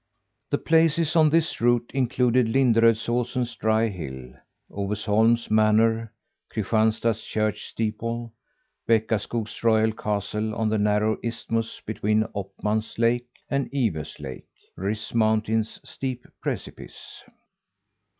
The places on this route included Linderödsosen's dry hills, Ovesholm's manor, Christianstad's church steeple, Bäckaskog's royal castle on the narrow isthmus between Oppmann's lake and Ivö's lake, Ryss mountain's steep precipice.